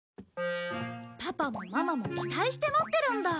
パパもママも期待して待ってるんだ。